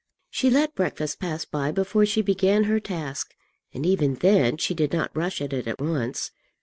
She let breakfast pass by before she began her task, and even then she did not rush at it at once.